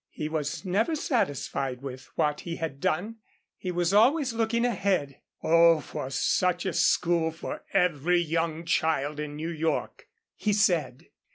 He was never satisfied with what he had done. He was always looking ahead. "Oh! for such a school for every young child in New York," he said.